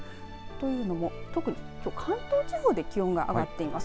というのも、きょうは関東地方で気温が上がっています。